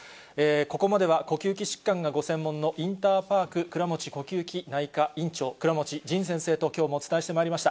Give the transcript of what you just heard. ここまでは呼吸器疾患がご専門のインターパーク倉持呼吸器内科院長、倉持仁先生ときょうもお伝えしてまいりました。